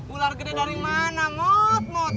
ular gede dari mana ngot ngot